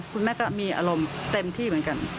คุณแม่ก็มีอารมณ์เต็มที่เหมือนกัน